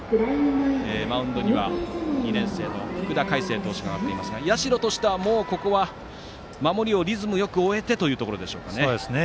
マウンドには２年生の福田海晴投手が上がっていますが社としては、ここは守りをリズムよく終えてというところでしょうか。